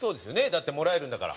だってもらえるんだから。